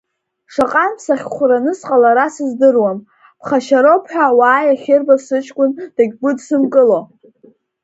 Шаҟантә сахьхәраны сҟалара сыздыруам, ԥхашьароуп ҳәа ауаа иахьырбо сыҷкәын дахьгәыдсымкыло?